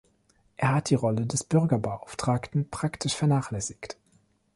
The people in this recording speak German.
Er hat die Rolle des Bürgerbeauftragten praktisch vernachlässigt.